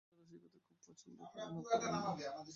ম্যান্ডেলার রসিকতা খুব পছন্দ করেন অপরাহ্।